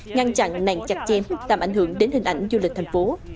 ngăn chặn nạn chặt chém làm ảnh hưởng đến hình ảnh du lịch tp hcm